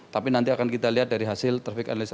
tapi nanti akan kita lihat dari hasil traffic analisa